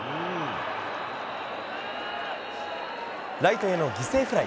ライトへの犠牲フライ。